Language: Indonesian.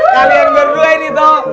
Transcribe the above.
kalian berdua ini toh